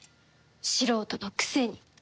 素人のくせに！